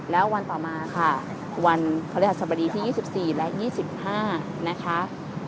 แล้ววันต่อมาค่ะวันภรรยาศปดีที่๒๔และ๒๕นาฬิกา